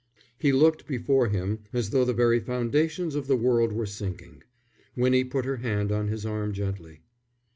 He looked before him as though the very foundations of the world were sinking. Winnie put her hand on his arm gently.